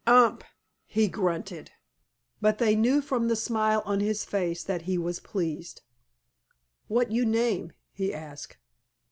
"Umph!" he grunted, but they knew from the smile on his face that he was pleased. "What you name?" he asked.